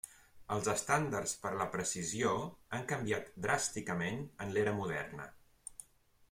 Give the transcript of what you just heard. Els estàndards per a la precisió han canviat dràsticament en l'era moderna.